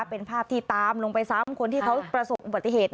เป็นภาพที่ตามลงไปซ้ำคนที่เขาประสบอุบัติเหตุ